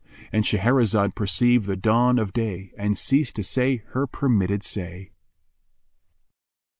—And Shahrazad perceived the dawn of day and ceased to say her permitted say.